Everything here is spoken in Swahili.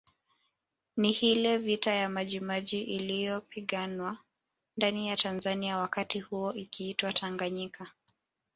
Ni hile vita ya Majimaji iliyopiganwa ndani ya Tanzania wakati huo ikiitwa Tanganyika